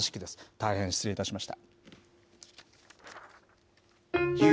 大変失礼いたしました。